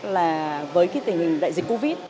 là với cái tình hình đại dịch covid